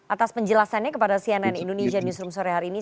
atas penjelasannya kepada cnn indonesia newsroom sore hari ini